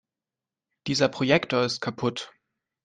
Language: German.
Dieser Projektor ist kaputt.